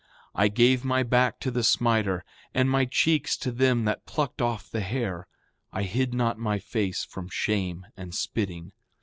7:6 I gave my back to the smiter, and my cheeks to them that plucked off the hair. I hid not my face from shame and spitting.